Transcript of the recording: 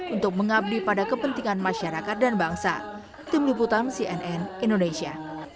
untuk mengabdi pada kepentingan masyarakat dan bangsa tim liputan cnn indonesia